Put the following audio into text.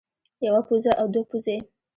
يوه پوزه او دوه پوزې